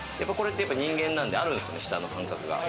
人間なんであるんですよね、舌の感覚が。